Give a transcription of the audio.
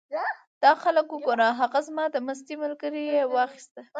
دا خلک وګوره! هغه زما د مستۍ ملګری یې واخیست.